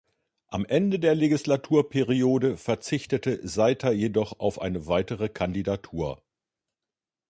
Am Ende der Legislaturperiode verzichtete Seitter jedoch auf eine weitere Kandidatur.